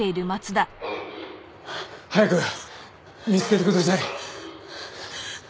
「」早く見つけてください。